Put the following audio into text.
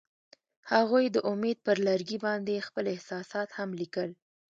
هغوی د امید پر لرګي باندې خپل احساسات هم لیکل.